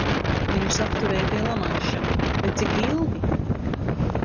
Viņus apturēja pie Lamanša, bet cik ilgi?